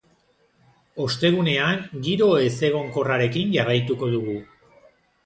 Ostegunean giro ezegonkorrarekin jarraituko dugu.